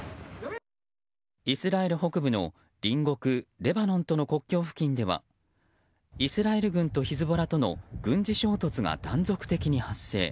イスラエル北部の隣国レバノンとの国境付近ではイスラエル軍とヒズボラとの軍事衝突が断続的に発生。